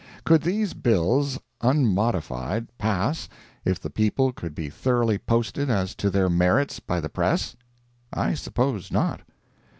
Could these bills, unmodified, pass, if the people could be thoroughly posted as to their merits, by the press? I suppose not.